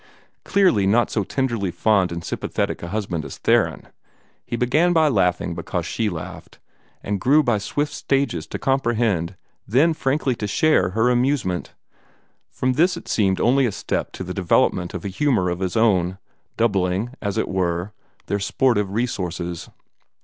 Clearly not so tenderly fond and sympathetic a husband as Theron. He began by laughing because she laughed, and grew by swift stages to comprehend, then frankly to share, her amusement. From this it seemed only a step to the development of a humor of his own, doubling, as it were, their sportive resources.